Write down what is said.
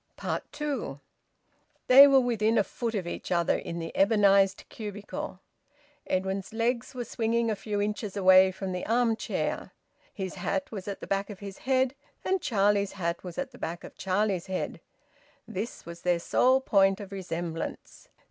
TWO. They were within a foot of each other in the ebonised cubicle. Edwin's legs were swinging a few inches away from the arm chair. His hat was at the back of his head, and Charlie's hat was at the back of Charlie's head. This was their sole point of resemblance.